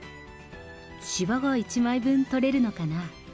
しわが１枚分取れるのかな？